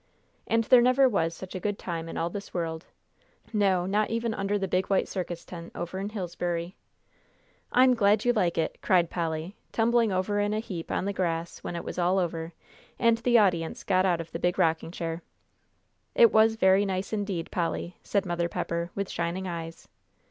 And there never was such a good time in all this world no, not even under the big white circus tent over in Hillsbury! "I'm glad you like it!" cried Polly, tumbling over in a heap on the grass when it was all over, and the audience got out of the big rocking chair. "It was very nice indeed, Polly," said Mother Pepper, with shining eyes.